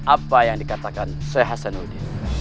apa yang dikatakan syekh hasanudin